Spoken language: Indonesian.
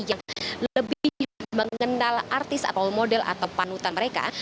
yang lebih mengenal artis atau model atau panutan mereka